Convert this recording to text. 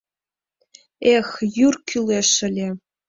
Эх, йӱр кӱлеш ыле!